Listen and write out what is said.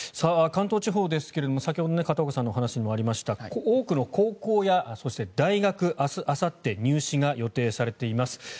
関東地方ですが、先ほど片岡さんのお話にもありました多くの高校やそして、大学明日あさって入試が予定されています。